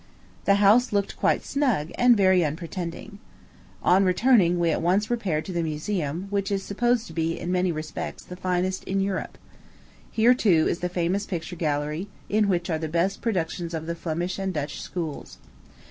The house looked quite snug, and very unpretending. On returning, we at once repaired to the Museum, which is supposed to be, in many respects, the finest in Europe. Here, too, is the famous picture gallery, in which are the best productions of the Flemish and Dutch schools.